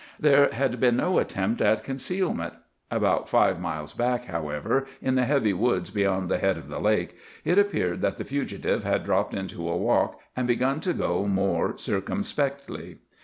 There had been no attempt at concealment. About five miles back, however, in the heavy woods beyond the head of the Lake, it appeared that the fugitive had dropped into a walk and begun to go more circumspectly.